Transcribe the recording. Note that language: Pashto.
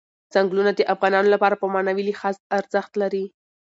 ځنګلونه د افغانانو لپاره په معنوي لحاظ ارزښت لري.